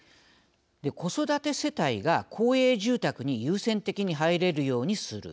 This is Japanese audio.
子育て世帯が公営住宅に優先的に入れるようにする。